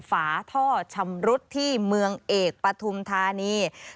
ฝาท่อชำรุดที่เมืองเอกปฐุมธานี